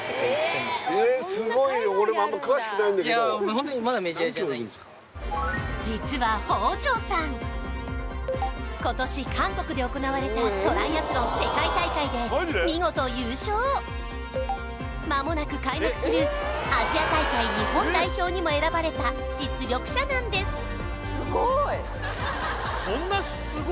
ホントにまだメジャーじゃないんで今年韓国で行われたトライアスロン世界大会で見事優勝まもなく開幕するアジア大会日本代表にも選ばれた実力者なんですえ！